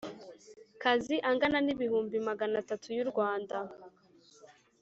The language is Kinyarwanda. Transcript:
Kazi angana n ibihumbi magana atatu y u rwanda